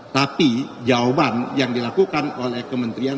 tapi jawaban yang dilakukan oleh kementerian